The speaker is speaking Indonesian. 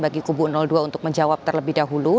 bagi kubu dua untuk menjawab terlebih dahulu